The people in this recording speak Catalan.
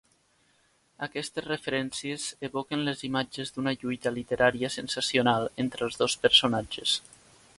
Aquestes referències evoquen les imatges d'una lluita literària sensacional entre els dos personatges.